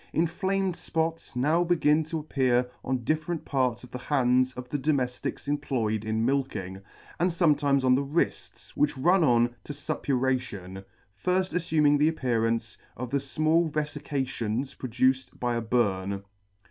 In flamed fpots now begin to appear on different parts of the hands of the domeflics employed in milking, and fometimes on the wrifls, which run on to fuppuration, firfl affuming the appearance of the fmall vefications produced by a burn.